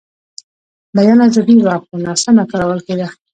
بیان ازادي وه، خو ناسمه کارول کېده.